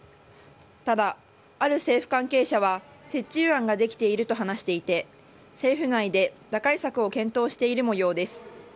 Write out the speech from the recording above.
ただ、ある政府関係者は折衷案ができていると話していて政府内で打開策を検討しているもようです。